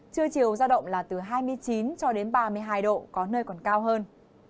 trưa chiều giao động là từ hai mươi chín cho đến ba mươi hai độ có nơi còn cao hơn